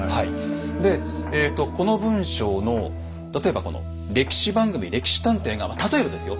でえとこの文章の例えばこの「歴史番組『歴史探偵』」がまあ例えばですよ？